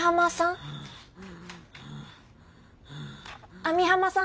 網浜さん？